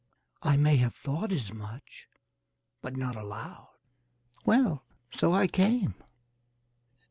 "I may have thought as much, but not aloud." "Well, so I came."